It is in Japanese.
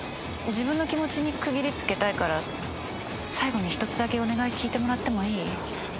自分の気持ちに区切りつけたいから最後に一つだけお願い聞いてもらってもいい？